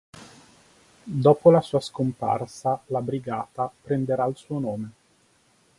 Dopo la sua scomparsa la brigata prenderà il suo nome.